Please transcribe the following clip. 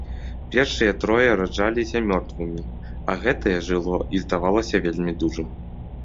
Першыя трое раджаліся мёртвымі, а гэтае жыло і здавалася вельмі дужым.